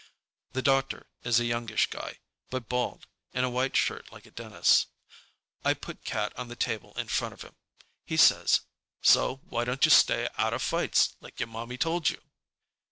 The doctor is a youngish guy, but bald, in a white shirt like a dentist's. I put Cat on the table in front of him. He says, "So why don't you stay out of fights, like your mommy told you?"